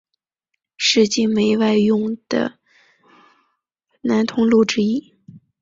是晋煤外运的南通路之一。